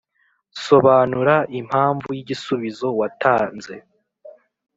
sobanura impamvu y’igisubizo watanze